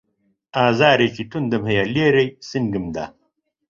ئازارێکی توندم هەیە لێرەی سنگمدا